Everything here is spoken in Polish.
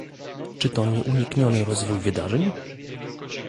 Czy to nieunikniony rozwój wydarzeń?